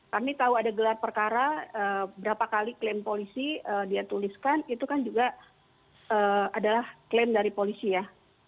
kami tahu ada gelar perkara berapa kali klaim polisi dia tuliskan itu kan juga adalah klaim dari polisi ya